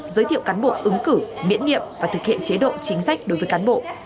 giới thiệu cán bộ ứng cử miễn nhiệm và thực hiện chế độ chính sách đối với cán bộ